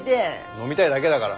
飲みたいだけだから。